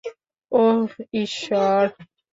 ওহ, ঈশ্বর।